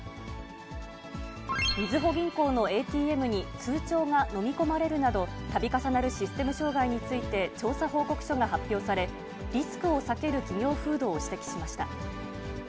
みずほ銀行のＡＴＭに通帳が飲み込まれるなど、たび重なるシステム障害について、調査報告書が発表され、リスクを避ける企業風土を指摘しました。